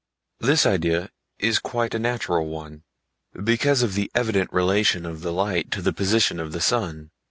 This idea is quite a natural one, because of the evident relation of the light to the position of the sun.